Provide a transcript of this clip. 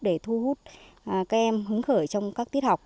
để thu hút các em hứng khởi trong các tiết học